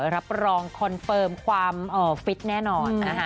อ๋อรับรองคอนเฟิร์มความฟิตแน่นอน